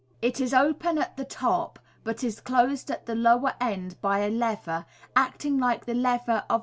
It is open at the top, but is closed at the lower end by a lever, acting like the lever of